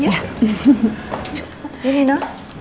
iya nih nuh